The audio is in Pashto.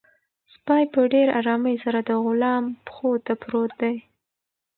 سپی په ډېر ارامۍ سره د غلام پښو ته پروت دی.